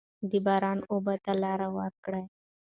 د باران اوبو ته لاره ورکړئ.